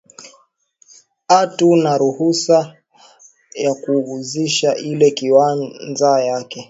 Atuna na ruusa ya ku uzisha ile kiwanza yake